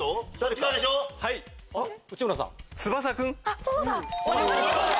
あっそうだ！